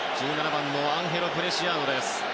１７番のアンヘロ・プレシアードです。